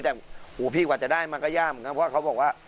แต่หูพี่กว่าจะได้มันก็ยากเหมือนกันเพราะเขาบอกว่า